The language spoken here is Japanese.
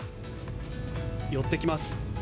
寄ってきます。